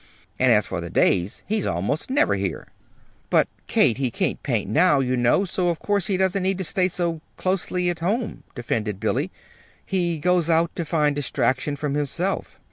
And as for the days he's almost never here." "But, Kate, he can't paint now, you know, so of course he doesn't need to stay so closely at home," defended Billy. "He goes out to find distraction from himself."